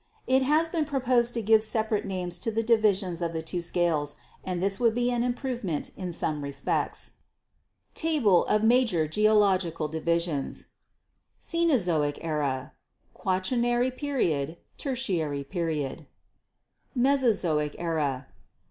It has been proposed to give separate names to the divisions of the two scales, and this would be an improvement in some respects. HISTORICAL GEOLOGY TABLE OF MAJOR GEOLOGICAL DIVISIONS Cenozoic Era J Quaternary Period L 1 ertiary Period Mesozoic Era. Paleozoic Era.